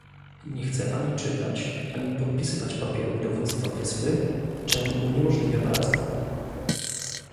"Nie chce ani czytać, ani podpisywać papierów dowództwa wyspy, czem uniemożliwia pracę."